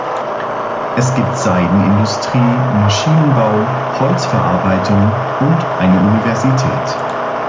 Es gibt Seidenindustrie, Maschinenbau, Holzverarbeitung und eine Universität.